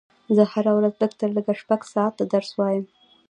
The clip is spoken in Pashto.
زه هره ورځ لږ تر لږه شپږ ساعته درس وایم